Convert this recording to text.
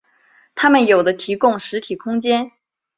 它们有的提供实体空间。